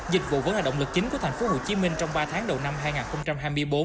dịch vụ vẫn là động lực chính của thành phố hồ chí minh trong ba tháng đầu năm hai nghìn hai mươi bốn